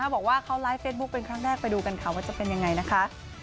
บอกว่าเขาไลฟ์เฟซบุ๊คเป็นครั้งแรกไปดูกันค่ะว่าจะเป็นยังไงนะคะ